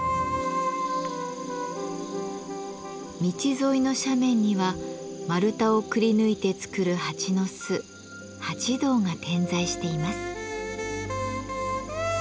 道沿いの斜面には丸太をくりぬいて作る蜂の巣蜂洞が点在しています。